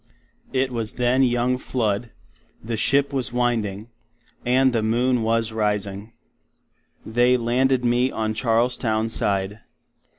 It was then young flood, the Ship was winding, and the moon was Rising. They landed me on Charlestown side.